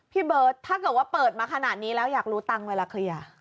พี่เบิร์ตถ้าเกิดว่าเปิดมาขนาดนี้แล้วอยากรู้ตังค์เวลาเคลียร์